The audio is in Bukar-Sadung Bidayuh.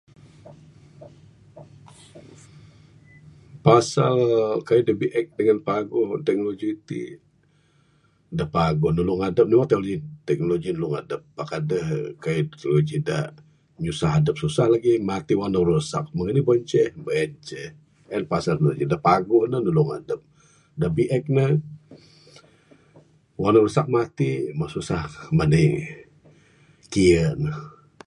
Pasal kayuh da biek dangan paguh teknologi ti da paguh ne nulung adep adeh lagih teknologi nulung adep pak adeh kayuh teknologi da nyusah adep susah lagih wang ne rusak meng anih bonceh meng en ceh. Da paguh ne nulung adep. Da biek ne, wang ne susah matik, meh susah mani'k kiye ne.